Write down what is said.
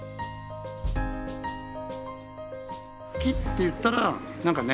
木っていったら何かね